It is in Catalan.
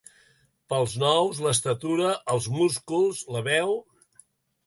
Pèls nous, l'estatura, els músculs, la veu...